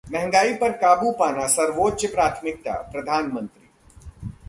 महंगाई पर काबू पाना सर्वोच्च प्राथमिकता: प्रधानमंत्री